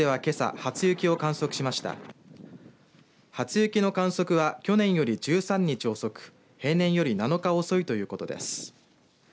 初雪の観測は去年より１３日遅く平年より７日遅いということです。